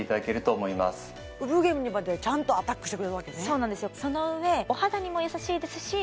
そうなんですよ